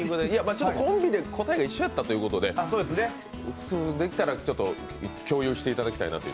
コンビで答えが一緒やったということでできたら共有していただきたいなと。